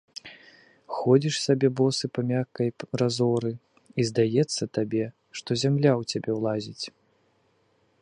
Ходзіш сабе босы па мяккай разоры, і здаецца табе, што зямля ў цябе ўлазіць.